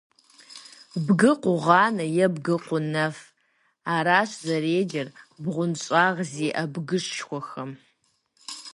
«Бгы кугъуанэ» е «бгы кунэф». Аращ зэреджэр бгъуэнщIагъ зиIэ бгышхуэхэм.